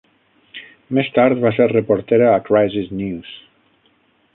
Més tard va ser reportera a Crisis News.